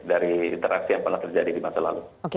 dari interaksi yang pernah terjadi di masa lalu